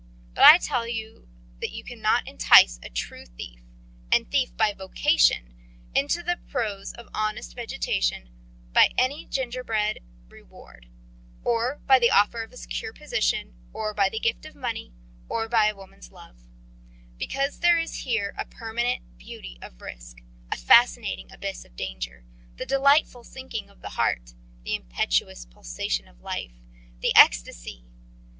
But I tell you that you cannot entice a true thief, and thief by vocation, into the prose of honest vegetation by any gingerbread reward, or by the offer of a secure position, or by the gift of money, or by a woman's love: because there is here a permanent beauty of risk, a fascinating abyss of danger, the delightful sinking of the heart, the impetuous pulsation of life, the ecstasy!